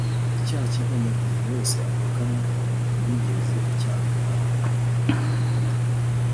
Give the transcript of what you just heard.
icyaha cy'inkomoko umuntu wese avukana ntiyigeze acyanduraho